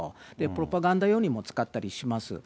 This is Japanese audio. プロパガンダ用にも使ったりします。